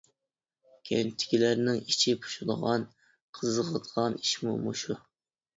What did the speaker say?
كەنتتىكىلەرنىڭ ئىچى پۇشىدىغان، قىزىقىدىغان ئىشمۇ مۇشۇ.